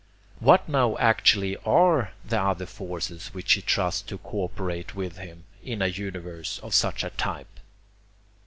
What now actually ARE the other forces which he trusts to co operate with him, in a universe of such a type?